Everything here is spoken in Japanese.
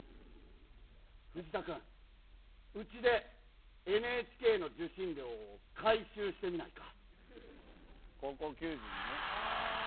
フジタ君うちでＮＨＫの受信料を回収してみないか？